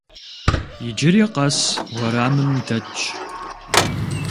Иджыри къэс уэрамым дэтщ.